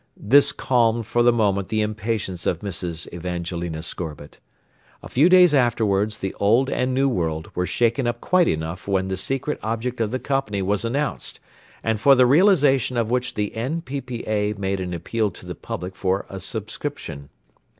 This calmed for the moment the impatience of Mrs. Evangelina Scorbitt. A few days afterwards the Old and New World were shaken up quite enough when the secret object of the company was announced, and for the realization of which the N.P.P.A. made an appeal to the public for a subscription.